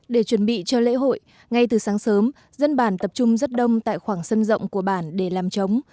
để chuẩn bị cho lễ hội ngay từ sáng sớm dân bản tập trung rất đông tại khoảng sân rộng của bản để làm trống